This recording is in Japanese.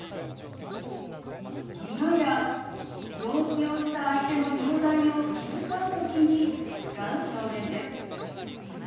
けがや病気をした相手の容体を気遣う時に使う表現です。